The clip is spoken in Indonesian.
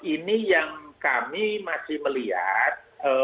ini yang kami masih melihat